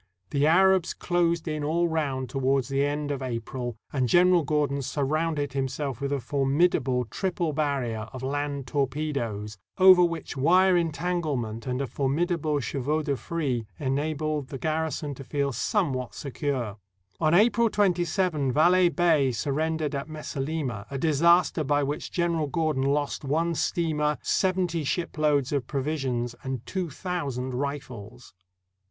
The Arabs closed in all round towards the end of April, and General Gordon surrounded himself with a formidable 244 THE DEATH OF GENERAL GORDON triple barrier of land torpedoes, over which wire entan glement and a formidable chevaux de frise enabled the garrison to feel somewhat secure. On April 27, Valeh Bey surrendered at Mesalimeh, a disaster by which General Gordon lost one steamer, seventy shiploads of provisions, and two thousand rifles.